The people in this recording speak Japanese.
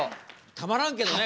たまらんけどね